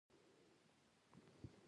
زما تل خوښېږي چې نوی ملګري پیدا کدم